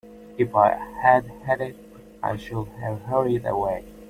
If I had had it, I should have hurried away.